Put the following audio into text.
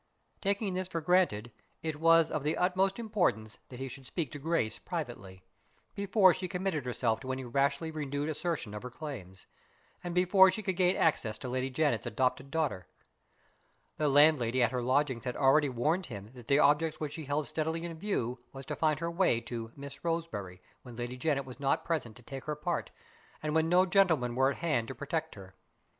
Taking this for granted, it was of the utmost importance that he should speak to Grace privately, before she committed herself to any rashly renewed assertion of her claims, and before she could gain access to Lady Janet's adopted daughter. The landlady at her lodgings had already warned him that the object which she held steadily in view was to find her way to "Miss Roseberry" when Lady Janet was not present to take her part, and when no gentleman were at hand to protect her.